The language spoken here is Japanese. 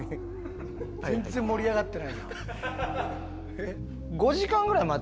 全然盛り上がってないな。